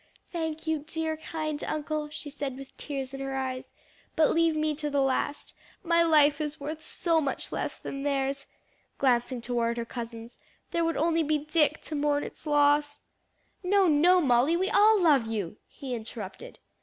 "Thank you, dear, kind uncle," she said with tears in her eyes, "but leave me to the last, my life is worth so much less than theirs," glancing toward her cousins; "there would be only Dick to mourn its loss " "No, no, Molly, we all love you!" he interrupted.